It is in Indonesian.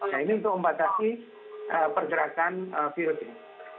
nah ini untuk membatasi pergerakan virus ini